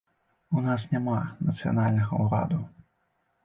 У нас няма нацыянальнага ўраду.